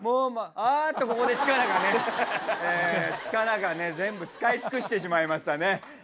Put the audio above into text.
あっとここで力がね全部使い尽くしてしまいましたね。